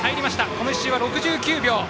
この１周は６９秒。